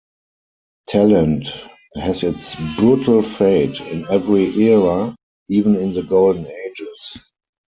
Talent has its brutal fate in every era, even in the Golden Ages.